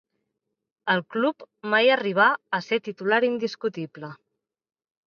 Al club mai arribà a ser titular indiscutible.